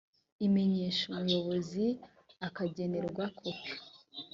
imenyesha umuyobozi akagenerwa kopi .